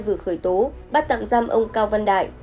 vừa khởi tố bắt tạm giam ông cao văn đại